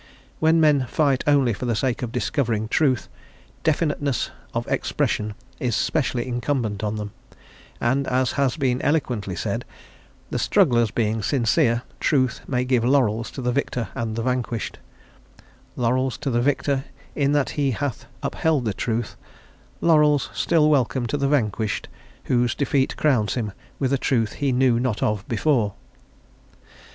When men fight only for the sake of discovering truth, definiteness of expression is specially incumbent on them; and, as has been eloquently said, "the strugglers being sincere, truth may give laurels to the victor and the vanquished: laurels to the victor in that he hath upheld the truth, laurels still welcome to the vanquished, whose defeat crowns him with a truth he knew not of before."